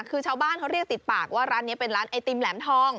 คือชาวบ้านเขาเรียกติดปากว่าร้านนี้เป็นร้านไอติมแหลมทอง